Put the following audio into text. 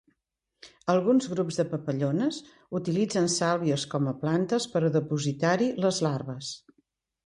Alguns grups de papallones utilitzen sàlvies com a plantes per a dipositar-hi les larves.